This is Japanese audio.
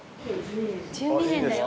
１２年です。